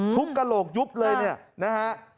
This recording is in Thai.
กระโหลกยุบเลยเนี่ยนะฮะ